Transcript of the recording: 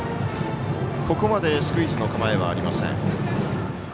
ここまでスクイズの構えはありません。